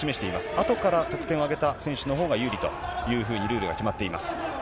あとから得点を挙げた選手のほうが有利というふうにルールが決まっています。